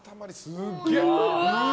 すげえ！